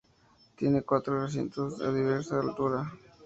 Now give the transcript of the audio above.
Tiene cuatro recintos a diversa altura.